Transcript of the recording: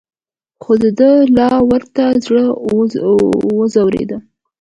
خو دده لا ورته زړه ځورېده.